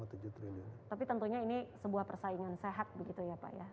tapi tentunya ini sebuah persaingan sehat begitu ya pak ya